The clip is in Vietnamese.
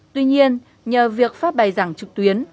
tuy nhiên nhờ việc phát bài giảng trực tuyến